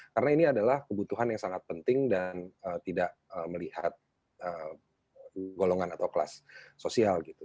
karena ini adalah kebutuhan yang sangat penting dan tidak melihat golongan atau kelas sosial gitu